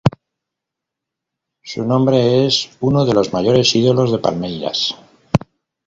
Su nombre es uno de los mayores ídolos de Palmeiras.